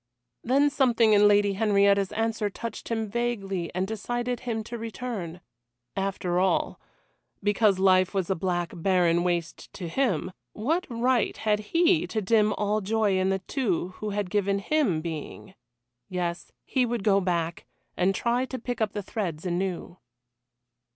Then something in the Lady Henrietta's answer touched him vaguely and decided him to return. After all because life was a black barren waste to him what right had he to dim all joy in the two who had given him being? Yes, he would go back, and try to pick up the threads anew.